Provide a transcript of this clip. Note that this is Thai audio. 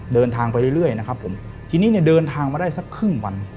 เดินทางไปเรื่อยนะครับผมทีนี้เนี่ยเดินทางมาได้สักครึ่งวัน